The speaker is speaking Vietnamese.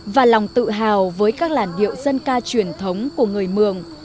và lòng tự hào với các làn điệu dân ca truyền thống của người mường